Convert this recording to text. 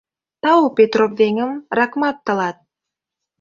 Тау, Петроп веҥым, ракмат тылат.